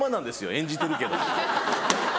演じてるけど。